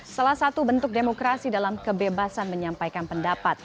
salah satu bentuk demokrasi dalam kebebasan menyampaikan pendapat